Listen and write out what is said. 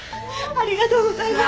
ありがとうございます。